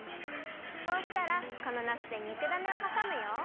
そうしたらこのなすでにくだねをはさむよ。